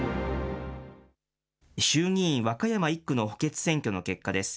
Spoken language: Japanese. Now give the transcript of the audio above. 衆議院和歌山１区の補欠選挙の結果です。